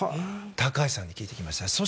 高橋さんに聞いてきました。